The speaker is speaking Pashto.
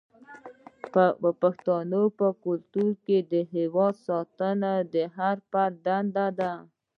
د پښتنو په کلتور کې د هیواد ساتنه د هر فرد دنده ده.